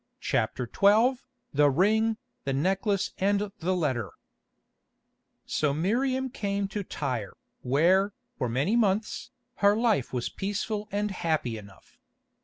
CHAPTER XII THE RING, THE NECKLACE AND THE LETTER So Miriam came to Tyre, where, for many months, her life was peaceful and happy enough.